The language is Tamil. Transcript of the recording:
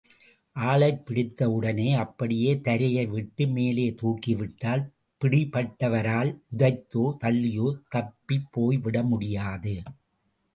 ஆளைப் பிடித்தவுடனே, அப்படியே தரையை விட்டு மேலே தூக்கிவிட்டால், பிடிபட்டவரால் உதைத்தோ, தள்ளியோ தப்பிப்போய்விட முடியாது.